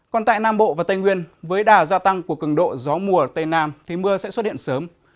còn tại nam bộ và tây nguyên với đà gia tăng của cường độ gió mùa tây nam thì mưa sẽ xuất hiện sớm